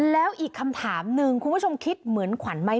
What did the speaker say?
แล้วอีกคำถามหนึ่งคุณผู้ชมคิดเหมือนขวัญไหม